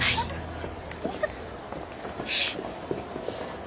来てください。